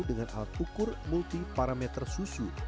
dengan alat ukur multi parameter susu